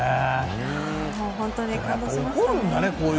本当に感動しましたね。